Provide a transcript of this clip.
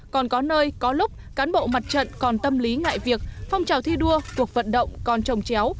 còn có nơi có lúc cán bộ mặt trận còn tâm lý ngại việc phong trào thi đua cuộc vận động còn trồng chéo